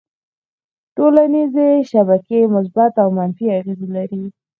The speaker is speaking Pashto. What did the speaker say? ټولنیزې شبکې مثبت او منفي اغېزې لري.